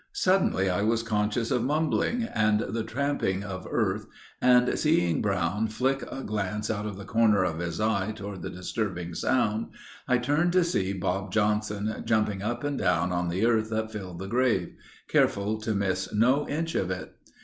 Suddenly I was conscious of mumbling and the tramping of earth and seeing Brown flick a glance out of the corner of his eye toward the disturbing sound, I turned to see Bob Johnson jumping up and down on the earth that filled the grave—careful to miss no inch of it.